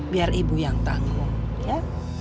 biar ibu yang tanggung ya